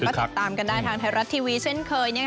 ใช่แล้วนะก็ติดตามกันได้ทางไทยรัฐทีวีเช่นเคย